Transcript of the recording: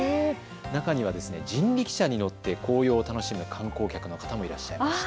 中には人力車に乗って紅葉を楽しむ、観光客の方もいらっしゃいました。